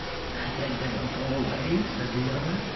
" And then they will go away," said the other.